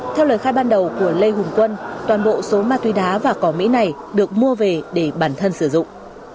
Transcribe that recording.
theo lời khai ban đầu của lê hùng quân toàn bộ số ma túy đá và cỏ mỹ này được mua về để bản thân sử dụng